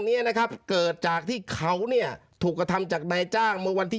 เนี้ยนะครับเกิดจากที่เขาเนี่ยถูกกระทำจากนายจ้างเมื่อวันที่